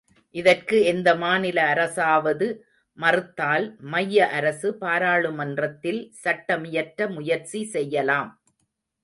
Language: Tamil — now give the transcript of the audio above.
இதற்கு எந்த மாநில அரசாவது மறுத்தால் மைய அரசு பாராளு மன்றத்தில் சட்டமியற்ற முயற்சி செய்யலாம்.